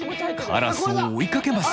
カラスを追いかけます。